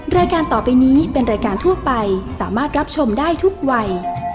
รายการต่อไปนี้เป็นรายการทั่วไปสามารถรับชมได้ทุกวัย